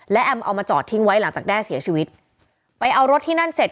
และแอมเอามาจอดทิ้งไว้หลังจากแด้เสียชีวิตไปเอารถที่นั่นเสร็จ